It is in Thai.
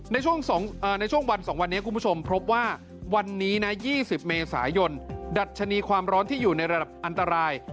ในช่วงนี้ส่งวันผบว่าดัชนีความร้อนที่อยู่ในระดับอันตราย